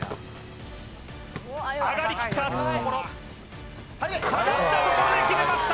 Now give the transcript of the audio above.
上がりきったところ下がったところで決めました